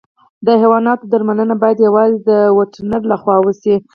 د حیواناتو درملنه باید یوازې د وترنر له خوا وشي.